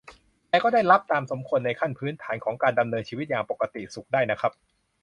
แต่ก็ได้รับตามสมควรในขั้นพื้นฐานของการดำเนินชีวิตอย่างปกติสุขได้นะครับ